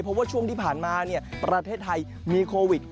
เพราะว่าช่วงที่ผ่านมาประเทศไทยมีโควิด